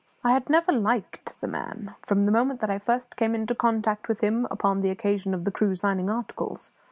I had never liked the man, from the moment that I first came into contact with him upon the occasion of the crew signing articles.